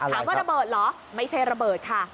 ระเบิดเหรอไม่ใช่ระเบิดค่ะ